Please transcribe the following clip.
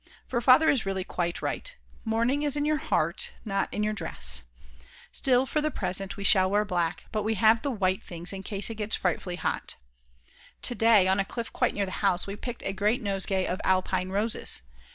For Father is really quite right: "Mourning is in your heart, not in your dress." Still, for the present, we shall wear black, but we have the white things in case it gets frightfully hot. To day, on a cliff quite near the house, we picked a great nosegay of Alpine roses.